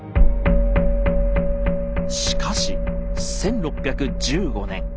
しかし１６１５年。